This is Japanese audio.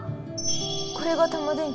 これがタマ電Ｑ？